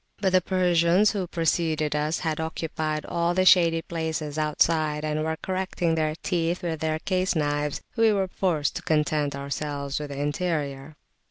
But the Persians who preceded us had occupied all the shady places outside, and were correcting their teeth with their case knives; we were forced to content ourselves with the interior.